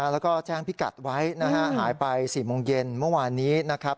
แล้วก็แจ้งพิกัดไว้นะฮะหายไป๔โมงเย็นเมื่อวานนี้นะครับ